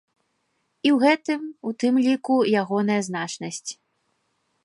І ў гэтым, у тым ліку, ягоная значнасць.